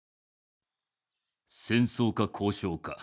戦争か交渉か